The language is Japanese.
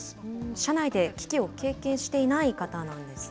社内で危機を経験していない方なんですね。